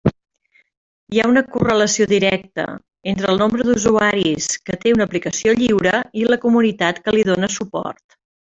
Hi ha una correlació directa entre el nombre d'usuaris que té una aplicació lliure i la comunitat que li dóna suport.